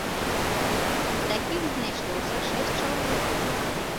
Такіх знайшлося шэсць чалавек.